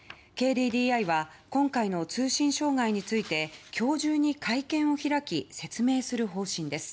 ＫＤＤＩは今回の通信障害について今日中に会見を開き説明する方針です。